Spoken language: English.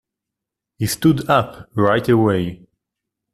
He stood up right away.